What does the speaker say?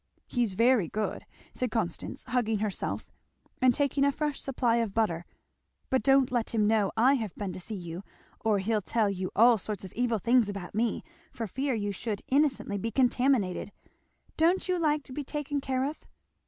"He's very good!" said Constance hugging herself, and taking a fresh supply of butter, "but don't let him know I have been to see you or he'll tell you all sorts of evil things about me for fear you should innocently be contaminated. Don't you like to be taken care of?"